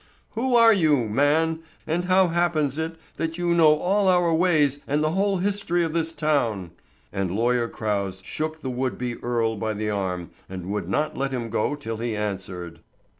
Who are you, man, and how happens it that you know all our ways and the whole history of this town?" And Lawyer Crouse shook the would be Earle by the arm and would not let him go till he answered.